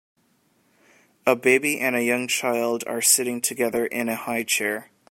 A baby and a young child are sitting together in a highchair.